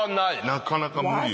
なかなか無理よ。